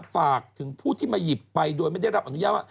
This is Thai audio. ฝากถึงผู้ที่มาหยิบไปโดยไม่ได้รับอนุญาตว่า